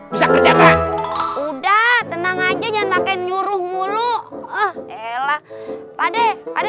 bisa kerja udah tenang aja jangan makin nyuruh mulu eh elah pade pade